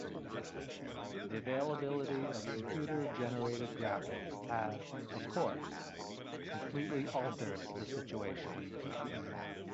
The availability of computer-generated graphics has, of course, completely altered the situation.